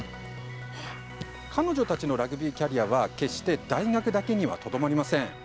彼女たちのラグビーキャリアは決して大学だけにはとどまりません。